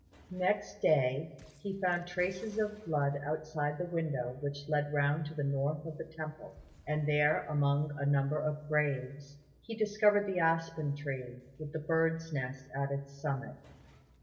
Next day he found traces of blood outside the window which led round to the north of the temple; and there among a number of graves he discovered the aspen tree with the bird's nest at its summit.